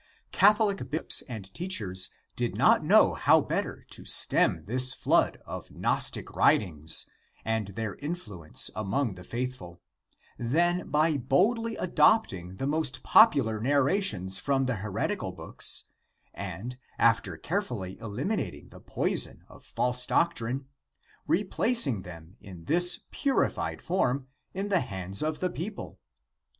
Catholic bishops and teachers did not know how better to stem this flood of Gnostic writings and their influence among the faithful, than by boldly adopting the most popular narrations from the heretical books, and, after carefully eliminating the poison of false doctrine, replacing them in this purified form in the hands of the people.